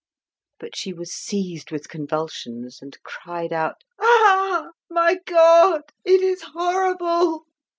But she was seized with convulsions and cried out "Ah! my God! It is horrible!"